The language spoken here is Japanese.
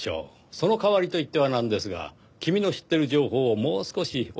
その代わりと言ってはなんですが君の知ってる情報をもう少し教えてもらえますか？